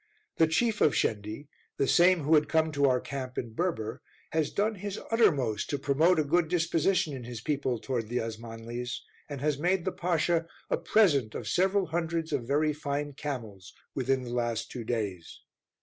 The chief of Shendi, the same who had come to our camp in Berber, has done his uttermost to promote a good disposition in his people towards the Osmanlis, and has made the Pasha a present of several hundreds of very fine camels, within the last two days.